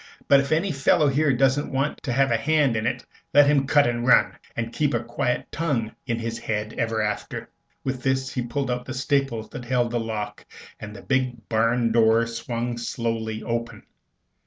But if any fellow here doesn't want to have a hand in it, let him cut and run, and keep a quiet tongue in his head ever after." With this he pulled out the staples that held the lock, and the big barn door swung slowly open.